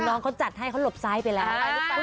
น้องเขาจัดให้เขาหลบซ้ายไปแล้ว